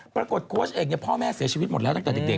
โค้ชเอกพ่อแม่เสียชีวิตหมดแล้วตั้งแต่เด็ก